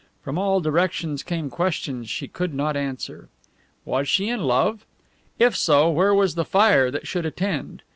From all directions came questions she could not answer. Was she in love? If so, where was the fire that should attend?